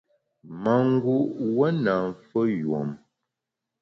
Mangu’ wuon na mfeyùom.